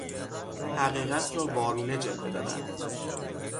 حقیقت را وارونه جلوه دادن